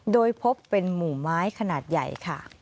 โดยพบเป็นหมู่ไม้ขนาดใหญ่ค่ะ